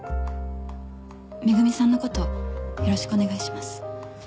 恵美さんのことよろしくお願いします。